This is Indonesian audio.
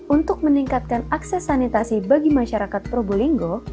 untuk meningkatkan akses sanitasi bagi masyarakat probolinggo